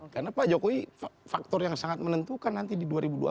karena pak jokowi faktor yang sangat menentukan nanti di dua ribu dua puluh empat